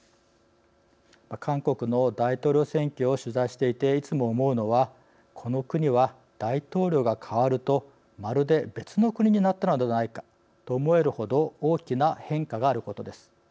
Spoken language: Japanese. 韓国の大統領選挙を取材していていつも思うのはこの国は大統領が代わるとまるで別の国になったのではないかと思えるほど大きな変化があることです。